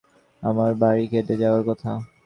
আমার ব্যারিকেডে যাওয়ার কথা।